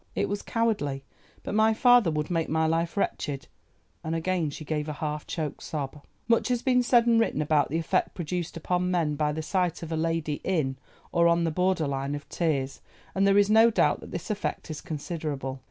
It was cowardly, but my father would make my life wretched——" and again she gave a half choked sob. Much has been said and written about the effect produced upon men by the sight of a lady in, or on the border line of tears, and there is no doubt that this effect is considerable.